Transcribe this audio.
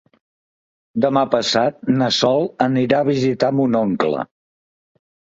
Demà passat na Sol anirà a visitar mon oncle.